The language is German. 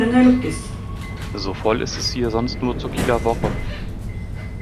So voll ist es hier sonst nur zur Kieler Woche.